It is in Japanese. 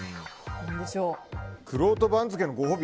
くろうと番付のご褒美